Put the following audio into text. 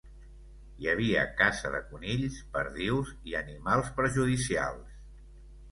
Hi havia caça de conills, perdius i animals perjudicials.